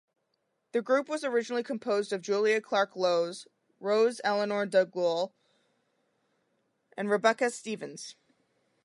The group was originally composed of Julia Clarke-Lowes, Rose Elinor Dougall and Rebecca Stephens.